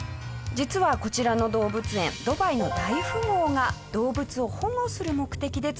実はこちらの動物園ドバイの大富豪が動物を保護する目的で作ったんです。